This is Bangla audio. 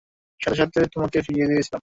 সাথে সাথেই তোমাকে ফিরিয়ে দিয়েছিলাম।